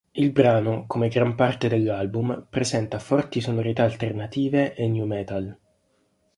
Il brano, come gran parte dell'album, presenta forti sonorità alternative e nu metal.